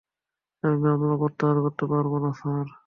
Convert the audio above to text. আমি মামলা প্রত্যাহার করতে পারব না, স্যার।